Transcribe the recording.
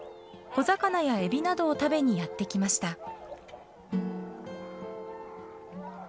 小魚やエビなどを食べにやって来ました。